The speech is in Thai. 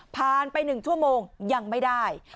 ผ่านไป๑ชั่วโมงยังไม่ได้